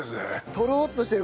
とろっとしてる。